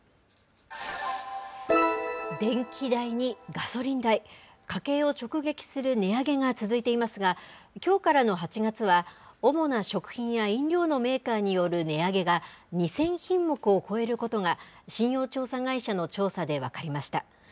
電気代にガソリン代、家計を直撃する値上げが続いていますが、きょうからの８月は、主な食品や飲料のメーカーによる値上げが、２０００品目を超えることが、信用調査会社の調査で分かりました。